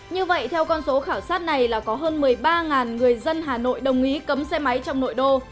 như vậy theo con số khảo sát này là có hơn một mươi ba người dân hà nội đồng ý cấm xe máy trong nội đô